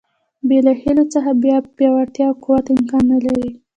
بې له هیلو څخه بیا پیاوړتیا او قوت امکان نه لري.